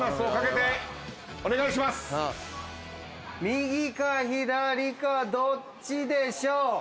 右か左かどっちでしょう？